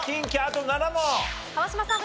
川島さん。